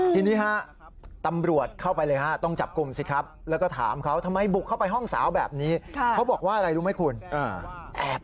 ทีนี้ฮะตำรวจเข้าไปเลยฮะต้องจับกลุ่มสิครับ